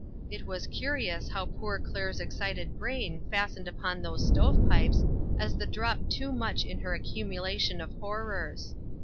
It was curious how poor Claire's excited brain fastened upon those stovepipes as the drop too much in her accumulation of horrors.